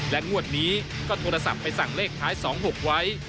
งวดนี้ก็โทรศัพท์ไปสั่งเลขท้าย๒๖ไว้